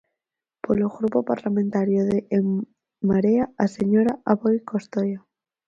Polo Grupo Parlamentario de En Marea, a señora Aboi Costoia.